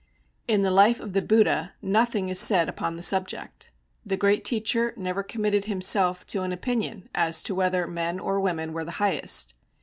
In the life of the Buddha nothing is said upon the subject. The great teacher never committed himself to an opinion as to whether men or women were the highest.